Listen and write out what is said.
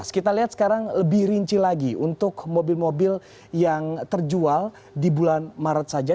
kita lihat sekarang lebih rinci lagi untuk mobil mobil yang terjual di bulan maret saja